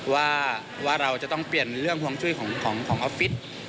ว่าเราจะต้องเปลี่ยนเรื่องห่วงจุ้ยของออฟฟิศ